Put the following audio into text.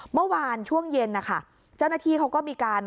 เมื่อวานช่วงเย็นนะคะเจ้าหน้าที่เขาก็มีการ